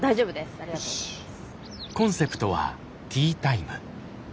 ありがとうございます。